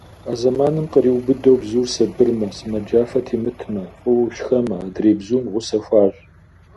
А зэманым къриубыдэу бзур сабырмэ, сымаджафэ темытмэ, фӏыуэ шхэмэ, адрей бзум гъусэ хуащӏ.